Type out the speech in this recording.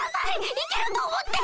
いけると思って！